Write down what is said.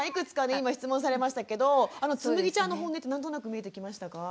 今質問されましたけどつむぎちゃんのホンネって何となく見えてきましたか？